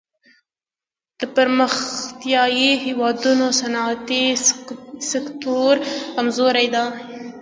د پرمختیايي هېوادونو صنعتي سکتور کمزوری دی.